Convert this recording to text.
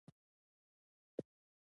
زه د ساه اخیستنې تمرین په کور کې کوم.